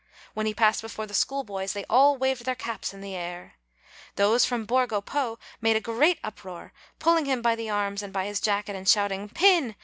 When he passed before the schoolboys, they all waved their caps in the air. Those from Borgo Po made a great uproar, pulling him by the arms and by his jacket and shouting, "Pin!